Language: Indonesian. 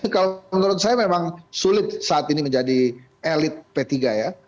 kalau menurut saya memang sulit saat ini menjadi elit p tiga ya